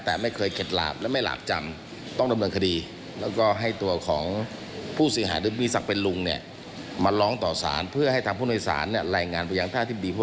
แต่ไม่เคยเข็ดหลาบและไม่หลาบจำต้องดำเนินคดี